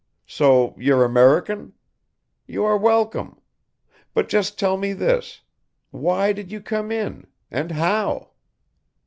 So you're American? You are welcome. But just tell me this. Why did you come in, and how?"